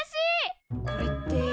これって。